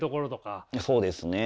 そうですね。